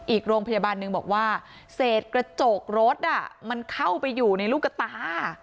อีกโรงพยาบาลหนึ่งบอกว่าเศษกระจกรถมันเข้าไปอยู่ในลูกกระตา